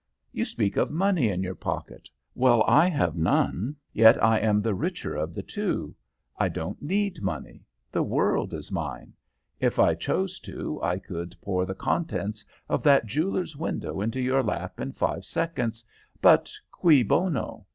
You speak of money in your pockets; well, I have none, yet am I the richer of the two. I don't need money. The world is mine. If I chose to I could pour the contents of that jeweller's window into your lap in five seconds, but cui bono?